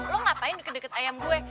lo ngapain deket deket ayam gue